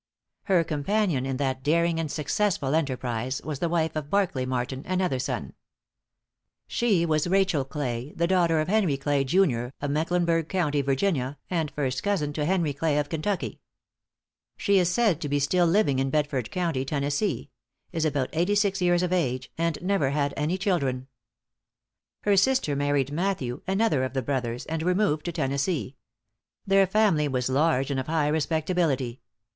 Her companion in that daring and successful enterprise was the wife of Barkly Martin, another son. She was Rachel Clay, the daughter of Henry Clay, Jun., of Mecklenburg County, Virginia, and first cousin to Henry Clay, of Kentucky. She is said to be still living in Bedford County, Tennessee; is about eighty six years of age, and never had any children. Her sister married Matthew, another of the brothers, and removed to Tennessee. Their family was large and of high respectability.